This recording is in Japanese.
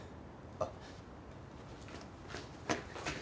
あっ。